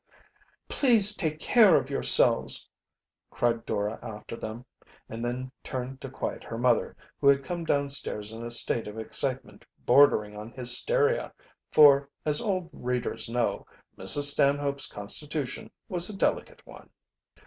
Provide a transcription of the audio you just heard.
"Please take care of yourselves!" cried Dora after them, and then turned to quiet her mother, who had come downstairs in a state of excitement bordering on hysteria, for, as old readers know, Mrs. Stanhope's constitution was a delicate one.